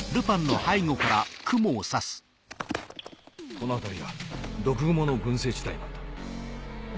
この辺りは毒グモの群生地帯なんだ。